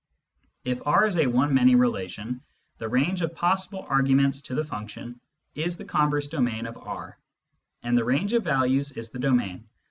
If R is a one many relation, the range of possible arguments to the function is the converse domain of R, and the range of values is the domain.